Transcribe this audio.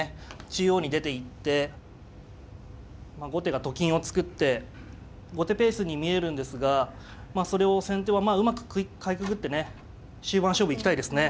中央に出ていって後手がと金を作って後手ペースに見えるんですがそれを先手はうまくかいくぐってね終盤勝負行きたいですね。